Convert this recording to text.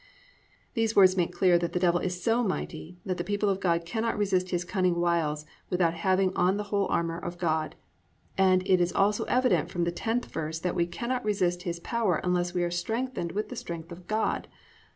"+ These words make it clear that the Devil is so mighty that the people of God cannot resist his cunning wiles without having on the whole armour of God, and it is also evident from the 10th verse that we cannot resist his power unless we are strengthened with the strength of God.